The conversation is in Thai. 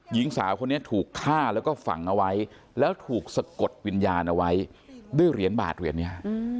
หญิงสาวคนนี้ถูกฆ่าแล้วก็ฝังเอาไว้แล้วถูกสะกดวิญญาณเอาไว้ด้วยเหรียญบาทเหรียญนี้